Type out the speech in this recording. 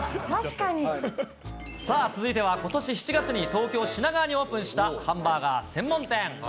さあ、続いてはことし７月に東京・品川にオープンしたハンバーガー専門店。